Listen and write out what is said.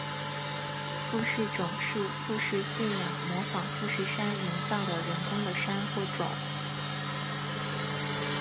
富士冢是富士信仰模仿富士山营造的人工的山或冢。